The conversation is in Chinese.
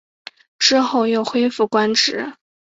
之后又恢复官职。